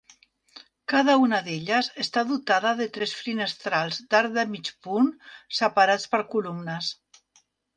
Cada una d'elles està dotada de tres finestrals d'arc de mig punt separats per columnes.